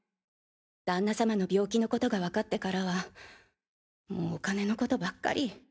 旦那様の病気のことがわかってからはもうお金のことばっかり。